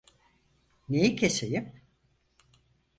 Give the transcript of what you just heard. Neyi keseyim?